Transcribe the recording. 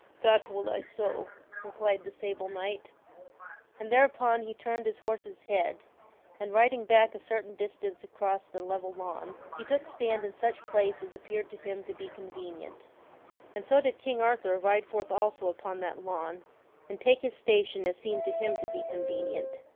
" That will I so," replied the Sable Knight. And thereupon he turned his horse's head and, riding back a certain distance across the level lawn, he took stand in such place as appeared to him to be convenient. And so did King Arthur ride forth also upon that lawn, and take his station as seemed to him to be convenient.